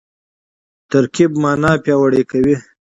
ترکیب مانا پیاوړې کوي.